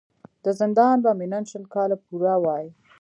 د زندان به مي نن شل کاله پوره وای